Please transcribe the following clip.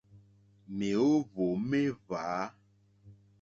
Mèóhwò méhwǎ.